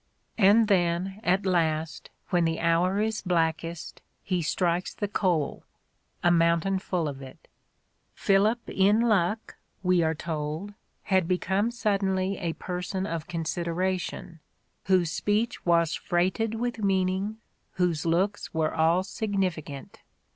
And then, at last, when the hour is blackest, he strikes the coal, a mountain full of it! "Philip in luck," we are told, "had become suddenly a person of consideration, whose speech was freighted with meaning, whose looks were all significant.